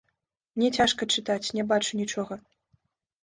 Мне цяжка чытаць, не бачу нічога.